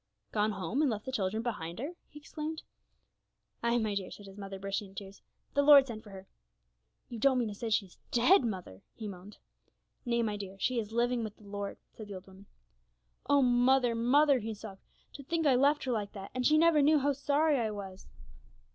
'Gone home, and left the children behind her!' he exclaimed. 'Ay, my dear,' said his mother, bursting into tears; 'the Lord sent for her.' 'You don't mean to say she's dead, mother!' he moaned. 'Nay, my dear, she is living with the Lord,' said the old woman. 'Oh, mother, mother,' he sobbed, 'to think I left her like that, and she never knew how sorry I was!'